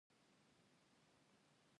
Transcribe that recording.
د ښځو حقونه د ټولني د پرمختګ بنسټ دی.